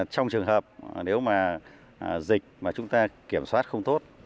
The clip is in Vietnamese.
trong trường hợp nếu mà dịch mà chúng ta kiểm soát không tốt